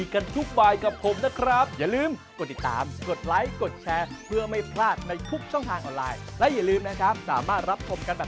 ครับ